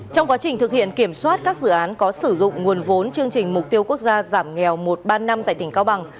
trong quá trình thực hiện kiểm soát các dự án có sử dụng nguồn vốn chương trình mục tiêu quốc gia giảm nghèo một trăm ba mươi năm tại tỉnh cao bằng